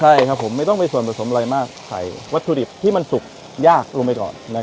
ใช่ครับผมไม่ต้องมีส่วนผสมอะไรมากใส่วัตถุดิบที่มันสุกยากลงไปก่อน